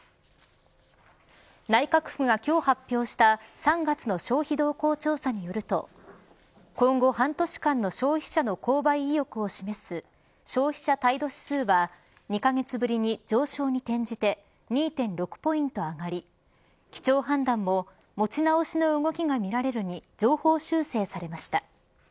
内閣府が今日発表した３月の消費動向調査によると今後半年間の消費者の購買意欲を示す消費者態度指数は２カ月ぶりに上昇に転じて２．６ポイント上がり基調判断も持ち直しの動きがみられるに上方修正されました。